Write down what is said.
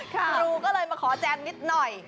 ครูก็เลยมาขอแจมนิดหน่อย